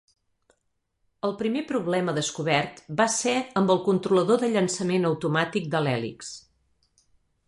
El primer problema descobert va ser amb el controlador de llançament automàtic de l'hèlix.